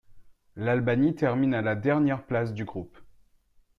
L'Albanie termine à la dernière place du groupe.